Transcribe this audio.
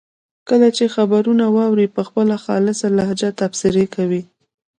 کله چې خبرونه واوري په خپله خالصه لهجه تبصرې کوي.